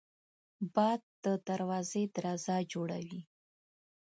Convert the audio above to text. باد د دروازې درزا جوړوي